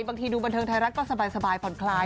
บางทีดูบันเทิงไทยรัฐก็สบายผ่อนคลาย